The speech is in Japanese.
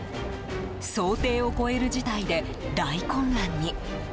想定を超える事態で大混乱に。